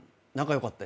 良かった。